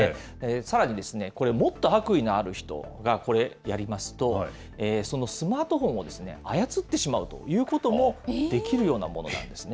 さらにですね、これ、もっと悪意のある人がこれ、やりますと、スマートフォンを操ってしまうということもできるようなものなんですね。